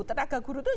tenaga guru itu